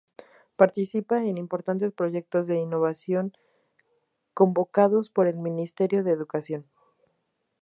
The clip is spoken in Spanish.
Participa en importantes Proyectos de Innovación convocados por el Ministerio de Educación.